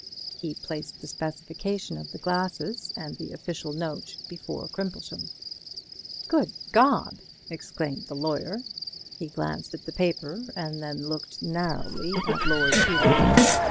He placed the specification of the glasses and the official note before Crimplesham. "Good God!" exclaimed the lawyer. He glanced at the paper, and then looked narrowly at Lord Peter.